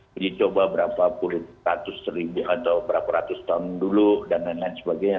bercoba berapa puluh ratus seribu atau berapa ratus tahun dulu dan lain lain sebagainya